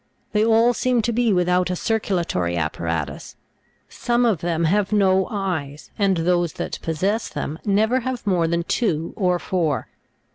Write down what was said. They all seem to be without a circulatory apparatus ; some of them have no eyes, and those that possess them, never have more than two or four.